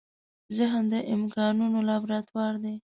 ذهن د امکانونو لابراتوار دی.